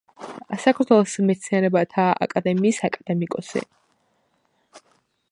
საქართველოს მეცნიერებათა აკადემიის აკადემიკოსი.